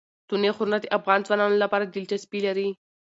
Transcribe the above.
ستوني غرونه د افغان ځوانانو لپاره دلچسپي لري.